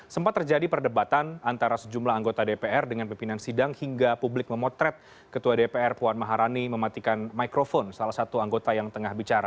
sempat terjadi perdebatan antara sejumlah anggota dpr dengan pimpinan sidang hingga publik memotret ketua dpr puan maharani mematikan microphone salah satu anggota yang tengah bicara